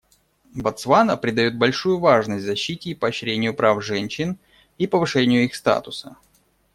Ботсвана придает большую важность защите и поощрению прав женщин и повышению их статуса.